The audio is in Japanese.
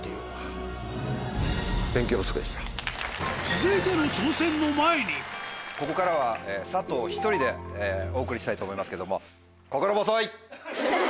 続いての挑戦の前にここからは佐藤１人でお送りしたいと思いますけども。